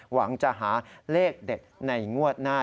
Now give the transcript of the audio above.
หวังจะหาเลขเด็ดในงวดหน้า